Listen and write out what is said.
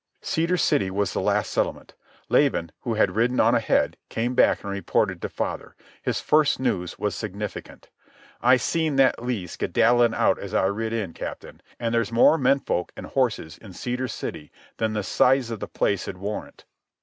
Cedar City was the last settlement. Laban, who had ridden on ahead, came back and reported to father. His first news was significant. "I seen that Lee skedaddling out as I rid in, Captain. An' there's more men folk an' horses in Cedar City than the size of the place 'd warrant."